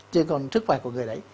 với con sức khỏe của người đấy